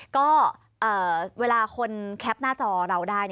ก็เวลาคนแคปหน้าจอเราได้